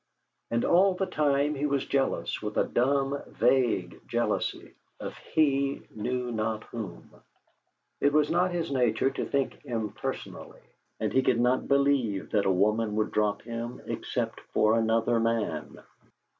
And all the time he was jealous, with a dumb, vague jealousy of he knew not whom; it was not his nature to think impersonally, and he could not believe that a woman would drop him except for another man.